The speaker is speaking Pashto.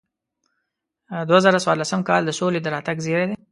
دوه زره څوارلسم کال د سولې د راتګ زیری دی.